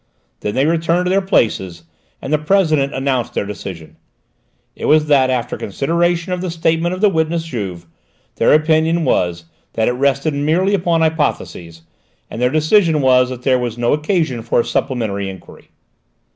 Then they returned to their places and the President announced their decision. It was that after consideration of the statement of the witness Juve, their opinion was that it rested merely upon hypotheses, and their decision was that there was no occasion for a supplementary enquiry.